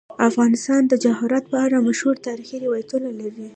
افغانستان د جواهرات په اړه مشهور تاریخی روایتونه لري.